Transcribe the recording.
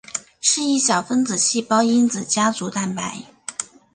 是一小分子细胞因子家族蛋白。